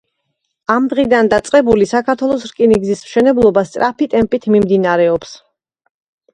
ამ დღიდან დაწყებული, საქართველოს რკინიგზის მშენებლობა სწრაფი ტემპით მიმდინარეობს.